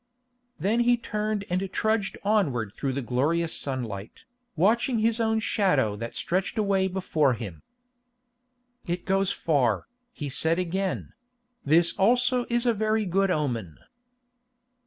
Then he turned and trudged onward through the glorious sunlight, watching his own shadow that stretched away before him. "It goes far," he said again; "this also is a very good omen."